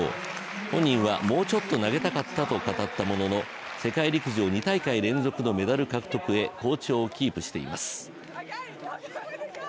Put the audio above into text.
本人は、もうちょっと投げたかったと語ったものの世界陸上２大会連続のメダル獲得へ好調をキープしています。